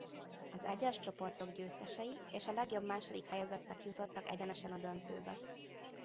Az egyes csoportok győztesei és a legjobb második helyezettek jutottak egyenesen a döntőbe.